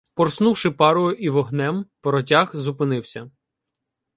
Порснувши парою і вогнем, паротяг зупинився.